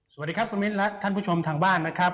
สวัสดีครับคุณมิ้นและท่านผู้ชมทางบ้านนะครับ